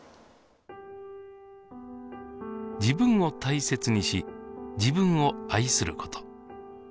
自分を大切にし自分を愛すること。